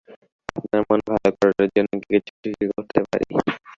আপনার মন ভালো করার জন্য কিছু কি করতে পারি?